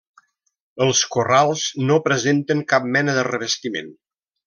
Els corrals no presenten cap mena de revestiment.